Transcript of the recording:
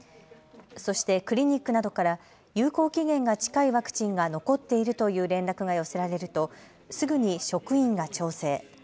そしてクリニックなどから有効期限が近いワクチンが残っているという連絡が寄せられるとすぐに職員が調整。